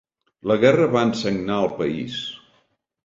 La guerra va ensagnar el país.